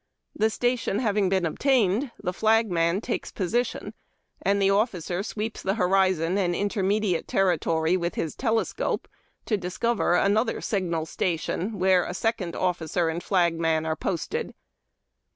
The station having been attained, the flagman takes position, and the officer sweeps the horizon and inter mediate territory with his telescope to discover another signal station, where a second officer and flagman are posted.